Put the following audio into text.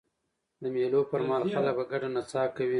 د مېلو پر مهال خلک په ګډه نڅا کوي.